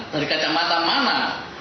dari kacamata mana